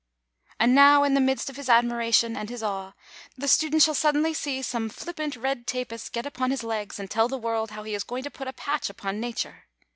f~~^And now, in the midst of his admiration and his awe, the student shall suddenly see some flippant red tapist get upon his legs and tell the world how he is going to put a patch upon nature